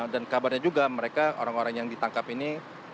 dan kabarnya juga mereka orang orang yang ditangkap ini